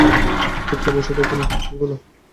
চুপচাপ বসে থেকো না, কিছু বলো।